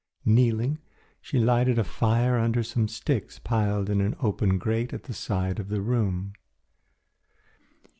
Kneeling, she lighted a fire under some sticks piled in an open grate at the side of the room.